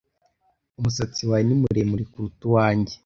Umusatsi wawe ni muremure kuruta uwanjye